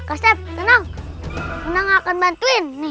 kasep tenang aku akan bantuin